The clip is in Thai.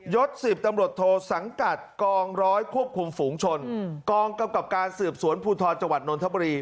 ยศสืบตำรวจโทสังกัดกองร้อยควบคุมฝูงชนกองกำกับการสืบสวนพูทอจนทบรี